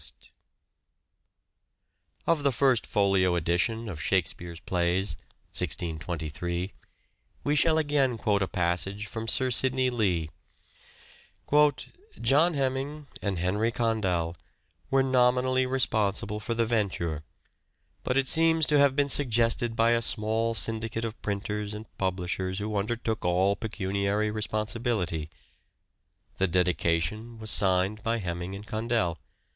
First Folio. Of the first Folio edition of " Shakespeare's " plays (1623) we shall again quote a passage from Sir Sidney Lee, " John Heming and Henry Condell were nominally responsible for the venture, but it seems to have been suggested by a small syndicate of printers and publishers who undertook all pecuniary responsi bility ... The dedication ... was signed by Heming and Condell.